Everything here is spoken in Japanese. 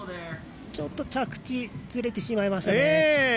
ちょっと着地ずれてしまいましたね。